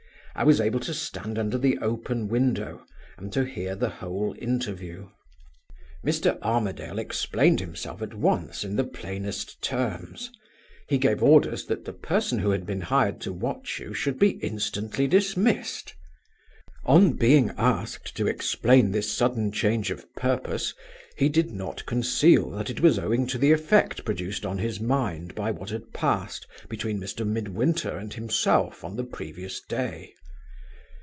I was able to stand under the open window and to hear the whole interview. "Mr. Armadale explained himself at once in the plainest terms. He gave orders that the person who had been hired to watch you should be instantly dismissed. On being asked to explain this sudden change of purpose, he did not conceal that it was owing to the effect produced on his mind by what had passed between Mr. Midwinter and himself on the previous day.